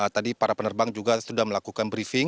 tadi para penerbang juga sudah melakukan briefing